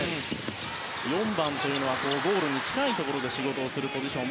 ４番というのはゴールに近いところで仕事をするポジション。